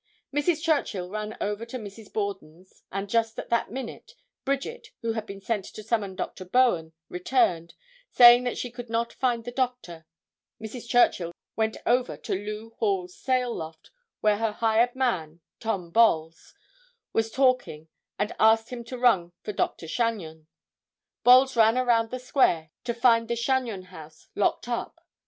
[Illustration: CAPTAIN PATRICK H. DOHERTY.] Mrs. Churchill ran over to Mrs. Borden's, and just at that minute Bridget, who had been sent to summon Dr. Bowen, returned, saying that she could not find the doctor. Mrs. Churchill then went over to Lew Hall's sail loft, where her hired man, Tom Bolles, was talking and asked him to run for Dr. Chagnon. Bolles ran around the square to find the Chagnon house locked up.